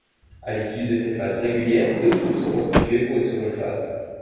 À l'issue de cette phase régulière, deux poules sont constituées pour une seconde phase.